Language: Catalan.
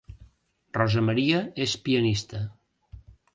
Rosa Maria és pianista